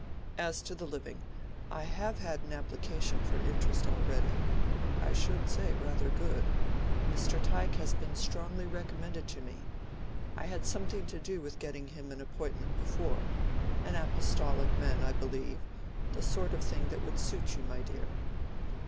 As to the living, I have had an application for interest already—I should say rather good. Mr. Tyke has been strongly recommended to me—I had something to do with getting him an appointment before. An apostolic man, I believe—the sort of thing that would suit you, my dear."